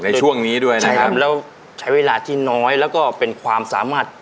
ในช่วงนี้ด้วยนะครับแล้วใช้เวลาที่น้อยแล้วก็เป็นความสามารถ